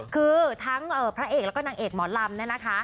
คือทั้งพระเอกแล้วก็นางเอกหมอลำเนี่ยนะคะ